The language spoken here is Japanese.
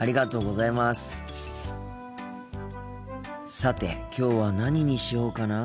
さてきょうは何にしようかなあ。